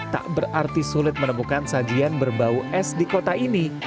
tak berarti sulit menemukan sajian berbau es di kota ini